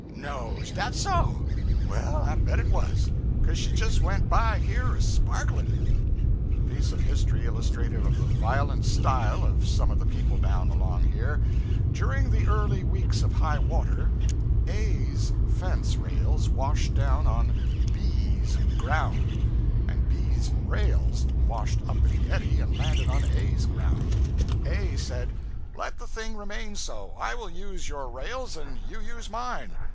'No! Is dat so? Well, I bet it was cause she jes' went by here a sparklin'!' Piece of history illustrative of the violent style of some of the people down along here, During the early weeks of high water, A's fence rails washed down on B's ground, and B's rails washed up in the eddy and landed on A's ground. A said, 'Let the thing remain so; I will use your rails, and you use mine.'